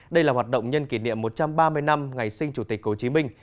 đây là hoạt động nhân kỷ niệm một trăm ba mươi năm ngày sinh chủ tịch hồ chí minh